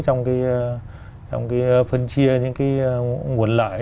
trong cái phân chia những cái nguồn lợi